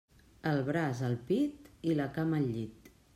El braç, al pit; i la cama, al llit.